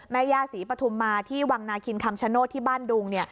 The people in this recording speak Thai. แม่ย่าศรีปฐุมมาที่วังนาคินคำชโนธที่บ้านดุง